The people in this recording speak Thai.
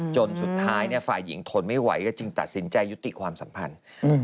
จนสุดท้ายฝ่ายหญิงทนไม่ไหวก็จึงตัดสินใจยุติความสัมพันธ์